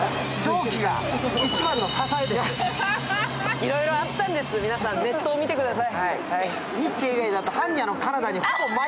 いろいろあったんですね、皆さんネットを見てください。